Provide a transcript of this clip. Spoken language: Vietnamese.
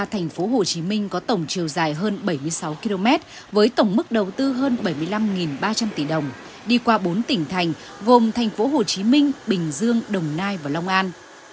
thành phố hồ chí minh có tổng chiều dài hơn bảy mươi sáu km với tổng mức đầu tư hơn bảy mươi năm ba trăm linh tỷ đồng đi qua bốn tỉnh thành gồm thành phố hồ chí minh bình dương đồng nai và long an